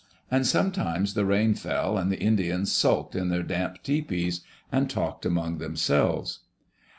And sometimes the rain fell and the Indians sulked in their damp tepees and talked among themselves.